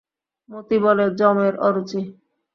মতি বলে, যমের অরুচি।